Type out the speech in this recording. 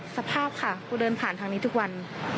สภาพค่ะกูเดินผ่านทางนี้ทุกวัน